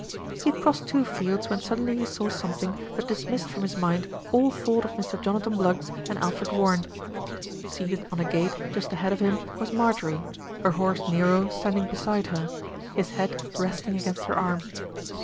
He had crossed two fields when suddenly he saw something that dismissed from his mind all thought of Mr. Jonathan Bluggs and Alfred Warren. Seated on a gate just ahead of him was Marjorie, her horse, Nero, standing beside her, his head resting against her arm.